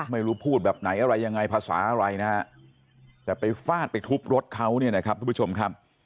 ไม่รู้พูดแบบไหนอะไรยังไงภาษาอะไรนะฮะจะไปฟาดไปทูบรถเขาเนี่ยแบบทาง